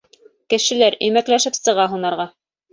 Кешеләр өймәкләшеп сыға һунарға.